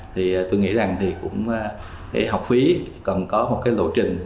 thì tôi nghĩ rằng thì cũng cái học phí cần có một cái lộ trình